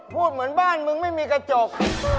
พูดเหมือนบ้านมึงไม่มีกระจก